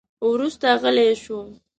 وروسته غلی شو.